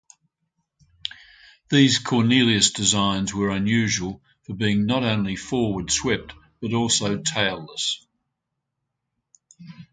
These Cornelius designs were unusual for being not only forward swept but also tailless.